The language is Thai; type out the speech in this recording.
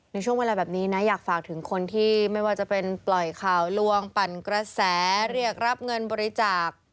ในช่วงเวลาแบบนี้นะอยากฝากถึงคนที่ไม่ว่าจะเป็นปล่อยข่าวลวงปั่นกระแสเรียกรับเงินบริจาค